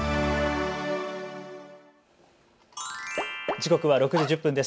時刻は６時１０分です。